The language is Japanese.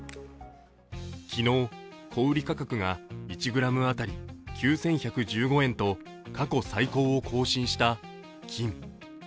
昨日、小売価格が１ｇ当たり９１１５円と過去最高を更新した金。